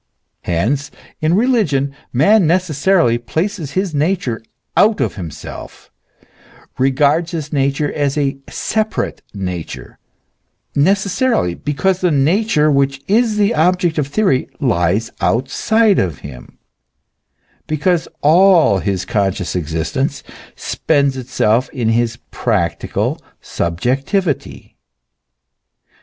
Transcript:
Hence, in religion man neces sarily places his nature out of himself, regards his nature as a separate nature ; necessarily, because the nature which is the object of theory lies outside of him, because all his conscious existence spends itself in his practical subjectivity.